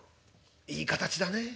いい形だねえ。